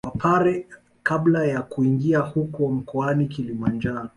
Wapare Kabla ya kuingia huko mkoani Kilimanjaro